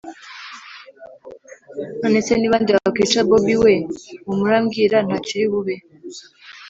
nonese nibande bakwica bobi we, humura mbwira ntacyo uri bube